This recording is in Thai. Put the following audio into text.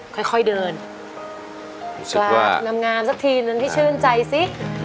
ไปค่อยเดินกราบน้ำงามสักทีหนึ่งพี่ชื่นใจสิ